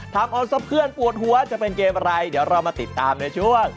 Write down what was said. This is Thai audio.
ออนซับเพื่อนปวดหัวจะเป็นเกมอะไรเดี๋ยวเรามาติดตามในช่วง